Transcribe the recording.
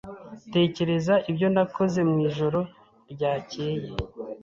Tekereza ibyo nakoze mwijoro ryakeye.